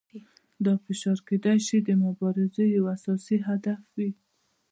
دا فشار کیدای شي د مبارزې یو اساسي هدف وي.